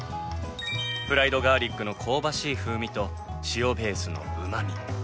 フライドガーリックの香ばしい風味と塩ベースのうまみ。